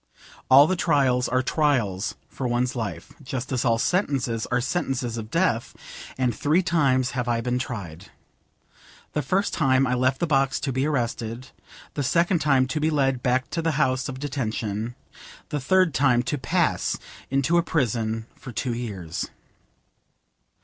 All trials are trials for one's life, just as all sentences are sentences of death; and three times have I been tried. The first time I left the box to be arrested, the second time to be led back to the house of detention, the third time to pass into a prison for two years.